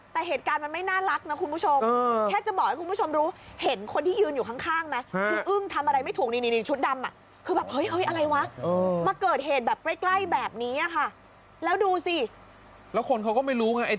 แต่เหตุการณ์มันไม่น่ารักนะคุณผู้ชมแค่จะบอกให้คุณผู้ชมรู้เห็นคนที่ยืนอยู่ข้างมั้ย